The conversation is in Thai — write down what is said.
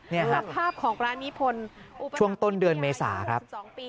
นี่ครับช่วงต้นเดือนเมษาครับ